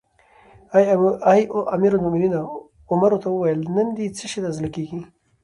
اې امیر المؤمنینه! عمر ورته وویل: نن دې څه شي ته زړه کیږي؟